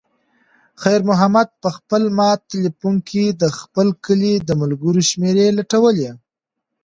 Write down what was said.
خیر محمد په خپل مات تلیفون کې د خپل کلي د ملګرو شمېرې لټولې.